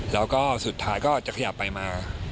แล้วก็สุดท้ายก็จะขยับไปมา